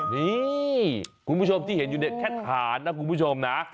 นี่คุณผู้ชมที่เห็นอยู่เนี่ยแค่ฐานนะคุณผู้ชมนะ